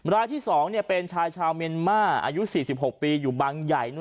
รายที่๒เป็นชายชาวเมียนมาอายุ๔๖ปีอยู่บังใหญ่